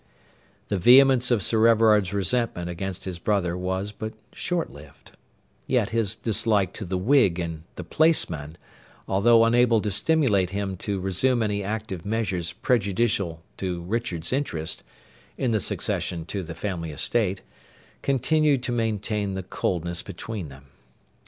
The vehemence of Sir Everard's resentment against his brother was but short lived; yet his dislike to the Whig and the placeman, though unable to stimulate him to resume any active measures prejudicial to Richard's interest, in the succession to the family estate, continued to maintain the coldness between them.